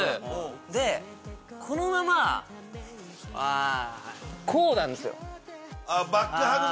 でこのままこうなんですよ。